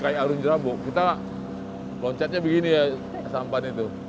kayak arum jeram kita loncatnya begini ya sampan itu